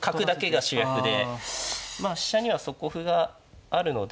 まあ飛車には底歩があるので。